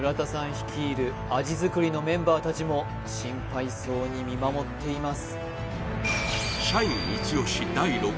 率いる味作りのメンバーたちも心配そうに見守っています